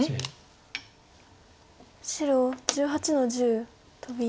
白１８の十トビ。